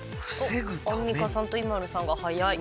アンミカさんとＩＭＡＬＵさんが早い。